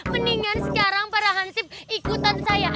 mendingan sekarang para hansip ikutan saya